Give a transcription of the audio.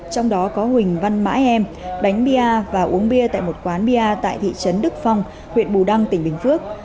trong đó có huỳnh văn mãi em bánh bia và uống bia tại một quán bia tại thị trấn đức phong huyện bù đăng tỉnh bình phước